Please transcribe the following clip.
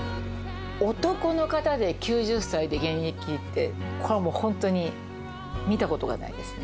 男の方で９０歳で現役って、これはもう本当に、見たことがないですね。